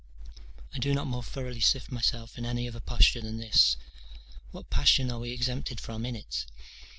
I do not more thoroughly sift myself in any other posture than this: what passion are we exempted from in it?